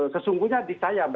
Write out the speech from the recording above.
sesungguhnya di saya